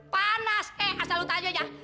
panas eh asal lu tanya nya